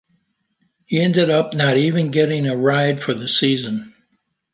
He ended up not even getting a ride for the season.